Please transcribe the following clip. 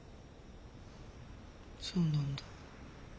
そうなんだ。